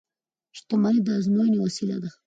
• شتمني د ازموینې وسیله ده.